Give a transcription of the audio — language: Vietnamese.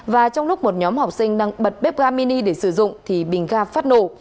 và trong lúc một nhóm học sinh đang bật bếp ga mini để sử dụng thì bình ga phát nổ